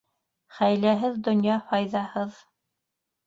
Хәйләһеҙ донъя файҙаһыҙ.